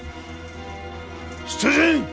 出陣。